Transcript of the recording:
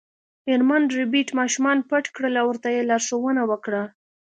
میرمن ربیټ ماشومان پټ کړل او ورته یې لارښوونه وکړه